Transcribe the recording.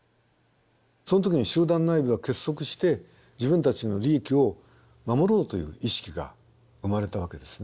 その時に集団内部は結束して自分たちの利益を守ろうという意識が生まれたわけですね。